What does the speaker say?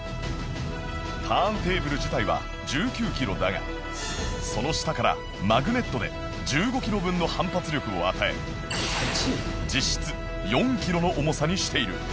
ターンテーブル自体は１９キロだがその下からマグネットで１５キロ分の反発力を与え実質４キロの重さにしている